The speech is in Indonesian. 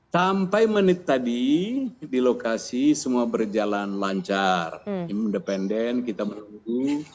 sampai menit tadi di lokasi semua berjalan lancar independen kita menunggu